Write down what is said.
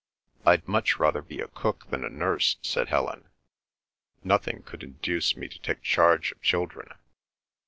"I'd much rather be a cook than a nurse," said Helen. "Nothing would induce me to take charge of children."